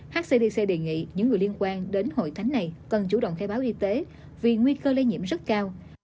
hcdc đề nghị những người liên quan đến hội thánh này cần chủ động khai báo y tế vì nguy cơ lây nhiễm rất cao